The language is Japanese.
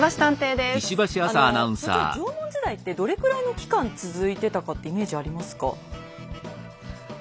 あの所長縄文時代ってどれくらいの期間続いてたかってイメージありますか？